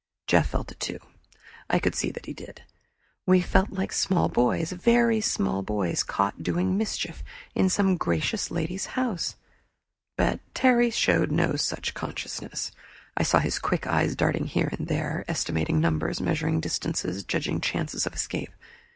Jeff felt it too; I could see he did. We felt like small boys, very small boys, caught doing mischief in some gracious lady's house. But Terry showed no such consciousness. I saw his quick eyes darting here and there, estimating numbers, measuring distances, judging chances of escape.